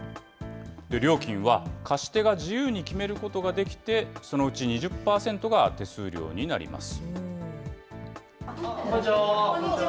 料金は貸し手が自由に決めることができて、そのうち２０％が手数料になります。